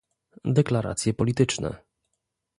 deklaracje polityczne